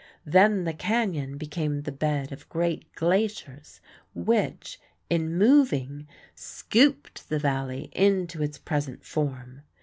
Then the canyon became the bed of great glaciers which, in moving, "scooped" the Valley into its present form.